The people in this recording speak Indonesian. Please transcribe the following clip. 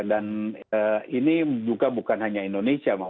dan ini juga bukan hanya indonesia